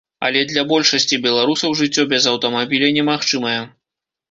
Але для большасці беларусаў жыццё без аўтамабіля немагчымае.